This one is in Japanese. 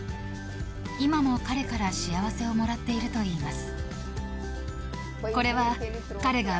今も彼から幸せをもらっているといいます。